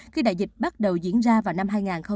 khi đại dịch bắt đầu diễn ra vào năm hai nghìn hai mươi